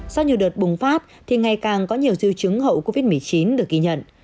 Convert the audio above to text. sau nhiều đợt bùng phát thì ngày càng có nhiều di chứng hậu covid một mươi chín được ghi nhận